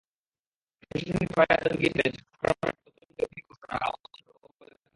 প্রশাসনিক সহায়তা জুগিয়েছিলেন চট্টগ্রামের তৎকালীন ডেপুটি কমিশনার আবু জাফর ওবায়দুল্লাহ খান।